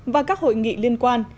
và các hội nghị liên quan